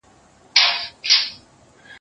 يعقوب عليه السلام د خپل زوی د خوب تعبير داسي وکړ.